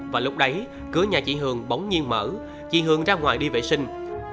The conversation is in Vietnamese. và lúc đấy cửa nhà chị hường bỗng nhiên mở chị hường ra ngoài đi vệ sinh